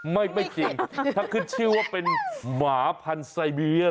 ไม่ไม่เชียงถ้าชื่อว่าเป็นหมาพันธุ์ไซเบียร์